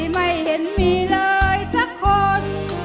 ไม่เห็นมีเลยสักคน